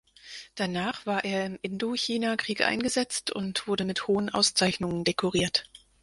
Danach war er im Indochinakrieg eingesetzt und wurde mit hohen Auszeichnungen dekoriert.